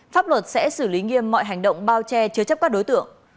pháp luật sẽ xử lý nghiêm mọi hành động bao che chứa chấp các đối tượng